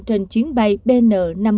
trên chuyến bay bn năm nghìn bốn trăm linh chín